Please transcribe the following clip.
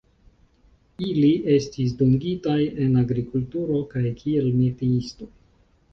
Ili estis dungitaj en agrikulturo kaj kiel metiistoj.